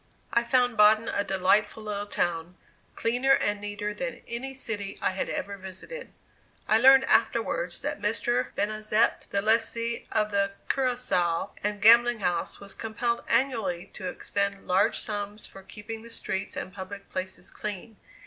I found Baden a delightful little town, cleaner and neater than any city I had ever visited. I learned afterwards that Mr. Benazet, the lessee of the kurasal and gambling house, was compelled annually to expend large sums for keeping the streets and public places clean.